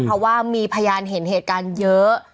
เพราะว่ามีพยานเห็นเรื่องเยอะ